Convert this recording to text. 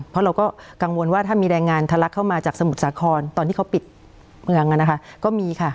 เพราะเราก็กังวลว่าถ้ามีแรงงานทะลักเข้ามาจากสมุทรสาครตอนที่เขาปิดเมืองนะคะก็มีค่ะ